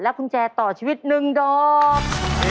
และคุ้นแจต่อชีวิตหนึ่งดอก